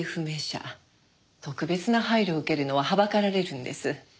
特別な配慮を受けるのははばかられるんです。